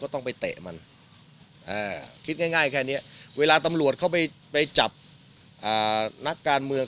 ต้องไปเตะมันคิดง่ายแค่นี้เวลาตำรวจเข้าไปจับนักการเมือง